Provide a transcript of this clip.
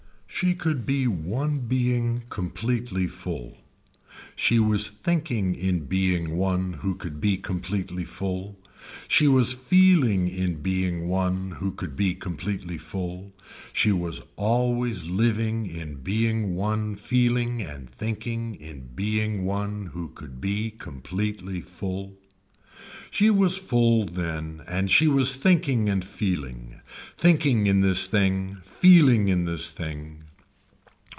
She could be one being completely full. She was thinking in being one who could be completely full. She was feeling in being one who could be completely full. She was always living in being one feeling and thinking in being one who could be completely full. She was full then and she was thinking and feeling, thinking in this thing, feeling in this thing.